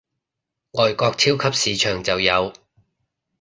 外國超級市場就有